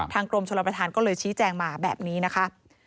กรมชลประธานก็เลยชี้แจงมาแบบนี้นะคะ